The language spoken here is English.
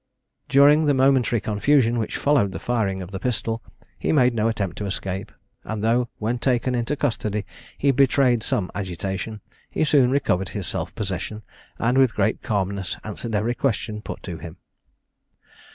During the momentary confusion which followed the firing of the pistol, he made no attempt to escape; and though when taken into custody he betrayed some agitation, he soon recovered his self possession, and with great calmness answered every question put to him.